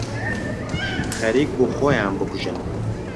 خەریک بوو خۆیان بکوژن.